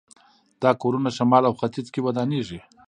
دا کورونه شمال او ختیځ کې ودانېږي.